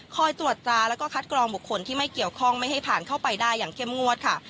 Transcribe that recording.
ตรวจตราแล้วก็คัดกรองบุคคลที่ไม่เกี่ยวข้องไม่ให้ผ่านเข้าไปได้อย่างเข้มงวดค่ะ